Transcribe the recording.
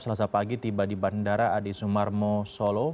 selasa pagi tiba di bandara adi sumarmo solo